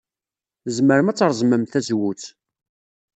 Tzemrem ad treẓmem tazewwut.